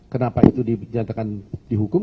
kenapa itu dinyatakan dihukum